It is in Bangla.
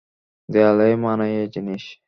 দেয়ালেই মানায় এই জিনিস।